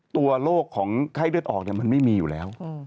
ตัวโรคของไข้เลือดออกมันไม่มีอยู่แล้ว